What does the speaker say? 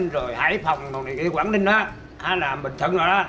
rồi hải phòng rồi quảng ninh á là bình thuận rồi đó